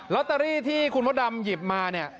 ตเตอรี่ที่คุณมดดำหยิบมาเนี่ย